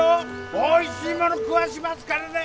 おいしいもの食わしますからね！